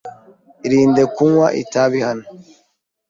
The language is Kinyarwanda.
Irinde kunywa itabi hano.